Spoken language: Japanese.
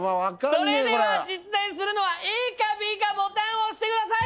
それでは実在するのはＡかＢかボタンを押してください。